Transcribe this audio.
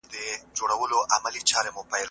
بړستن په دوبي کي نه اچول کېږي.